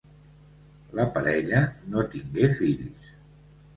La parella no tingué fills.